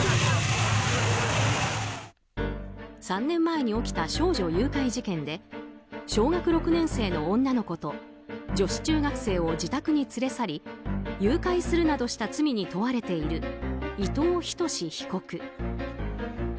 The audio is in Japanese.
３年前に起きた少女誘拐事件で小学６年生の女の子と女子中学生を自宅に連れ去り誘拐するなどした罪に問われている伊藤仁士被告。